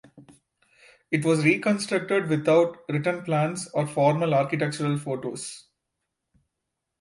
It was reconstructed without written plans or formal architectural photos.